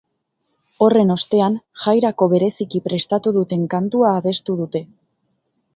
Horren ostean, jairako bereziki prestatu duten kantua abestu dute.